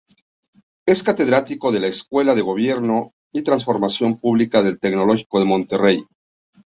Es catedrático de la Escuela de Gobierno y Transformación Pública del Tecnológico de Monterrey.